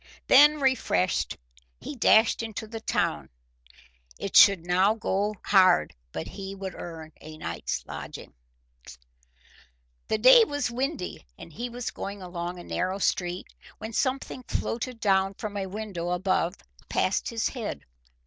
Then, refreshed, he dashed into the town. It should now go hard but he would earn a night's lodging. The day was windy and he was going along a narrow street, when something floated down from a window above past his head.